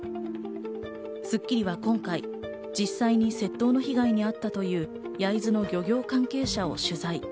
『スッキリ』は今回、実際に窃盗の被害にあったという焼津の漁業関係者を取材。